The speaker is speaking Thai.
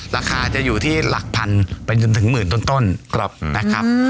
ราคาจะอยู่ที่หลักพันไปจนถึงหมื่นต้นกรอบนะครับ